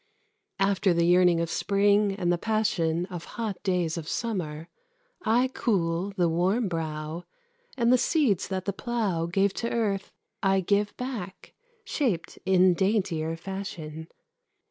After the yearning of Spring and the passion Of hot days of Summer, I cool the warm brow, And the seeds that the plough Gave to earth I give back, shaped in daintier fashion.